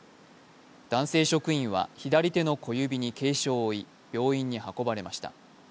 男性職員は左手の小指に軽傷を負い病院に運ばれました。